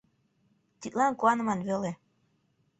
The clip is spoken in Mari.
Тидлан куаныман веле.